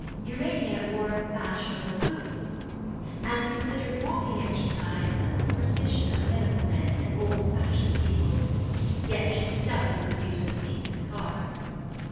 Urania wore fashionable boots, and considered walking exercise a superstition of medical men and old fashioned people; yet she stoutly refused a seat in the car.